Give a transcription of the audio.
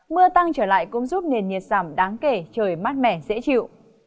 mưa tăng trở lại cũng giúp nền nhiệt giảm đáng kể trời mát mẻ dễ chịu